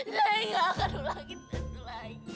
saya tidak akan lagi menyesal